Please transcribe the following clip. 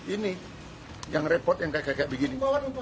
ini yang repot yang kayak begini